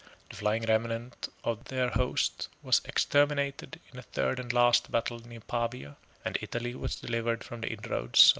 37 The flying remnant of their host was exterminated in a third and last battle near Pavia; and Italy was delivered from the inroads of the Alemanni.